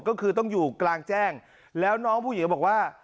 ก็คือต้องอยู่กลางแจ้งแล้วน้องผู้หญิงบอกว่า